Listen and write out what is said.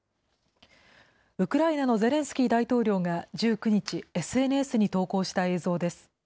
ウクライナのゼレンスキー大統領が１９日、ＳＮＳに投稿した映像です。